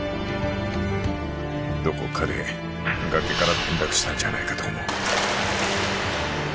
・どこかで崖から転落したんじゃないかと思う